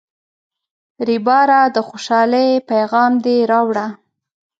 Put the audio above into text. ریبراه، د خوشحالۍ پیغام دې راوړ.